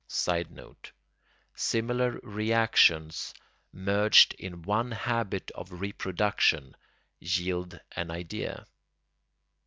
[Sidenote: Similar reactions, merged in one habit of reproduction, yield an idea.